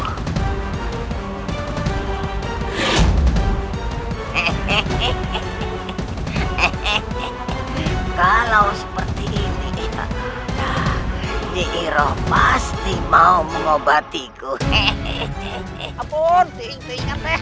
hehehe kalau seperti ini diiroh pasti mau mengobati gue